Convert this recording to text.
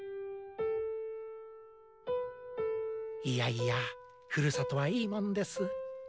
いやいやふるさとはいいもんです。